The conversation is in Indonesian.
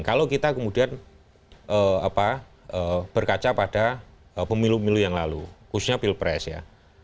kalau kita kemudian berkaca pada pemilu pemilu yang lalu khususnya pilpres ya